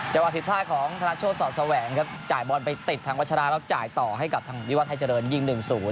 เจ้าอาทิตย์ภาคของธนชโศษศแหวงครับจ่ายบอลไปติดทางวัฒนาแล้วจ่ายต่อให้กับทางวิวัฒน์ไทยเจริญยิง๑๐